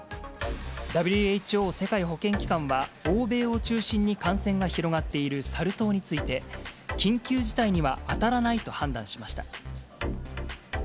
ＷＨＯ・世界保健機関は、欧米を中心に感染が広がっているサル痘について、緊急事態には当たらないと判断しました。